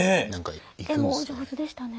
絵もお上手でしたね。